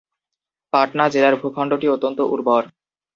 পাটনা জেলার ভূখণ্ডটি অত্যন্ত উর্বর।